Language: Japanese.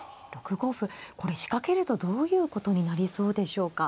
６五歩これ仕掛けるとどういうことになりそうでしょうか。